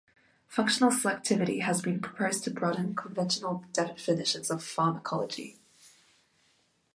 Functional selectivity has been proposed to broaden conventional definitions of pharmacology.